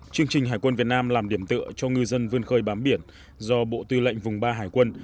chương trình hải quân việt nam làm điểm tựa cho ngư dân vươn khơi bám biển do bộ tư lệnh vùng ba hải quân